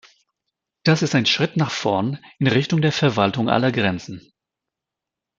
Das ist ein Schritt nach vorn in Richtung der Verwaltung aller Grenzen.